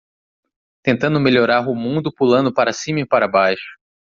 Tentando melhorar o mundo pulando para cima e para baixo.